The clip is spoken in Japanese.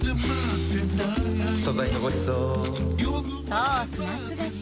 そう、スナック菓子。